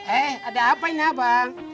eh ada apa ini abang